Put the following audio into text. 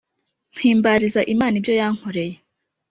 Mpimbariza Imana ibyo yankoreye